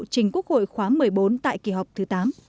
trình quốc hội khóa một mươi bốn tại kỳ họp thứ tám